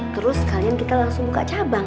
terus sekalian kita langsung buka cabang